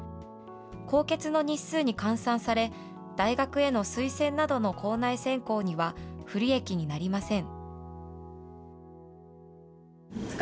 公欠の日数に換算され、大学への推薦などの校内選考には不利益になりません。